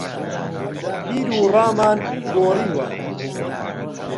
بیروڕامان گۆڕیوە.